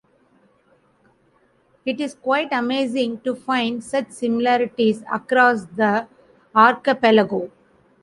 It is quite amazing to find such similarities across the archipelago.